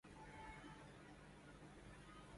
H T C